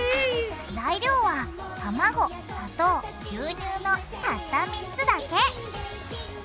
材料はたまご砂糖牛乳のたった３つだけ！